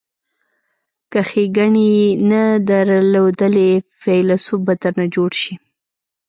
که ښیګڼې یې نه درلودلې فیلسوف به درنه جوړ شي.